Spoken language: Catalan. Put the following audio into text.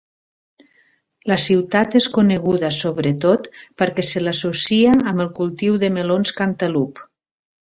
La ciutat és coneguda sobretot perquè se l'associa amb el cultiu de melons cantalup.